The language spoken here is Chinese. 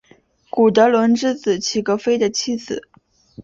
古德伦之子齐格菲的妻子。